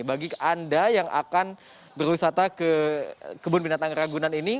bagi anda yang akan berwisata ke kebun binatang ragunan ini